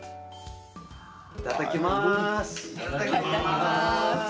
いただきます。